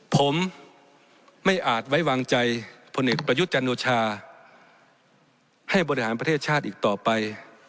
ผมไม่อาจไว้วางใจพลเอกประยุทธ์จันโอชาให้บริหารประเทศชาติอีกต่อไป